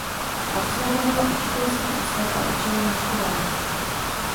Absolvovala učitelský ústav a učila na školách.